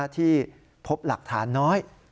ที่พบหลักฐานน้อย